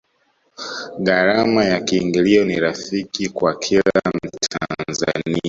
gharama ya kiingilio ni rafiki kwa kila mtanzania